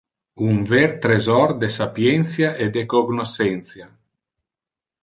Un ver tresor de sapientia e de cognoscentia.